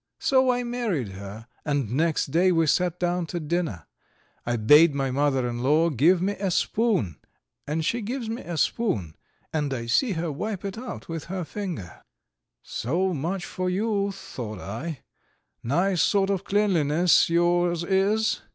So I married her, and next day we sat down to dinner; I bade my mother in law give me a spoon, and she gives me a spoon, and I see her wipe it out with her finger. So much for you, thought I; nice sort of cleanliness yours is.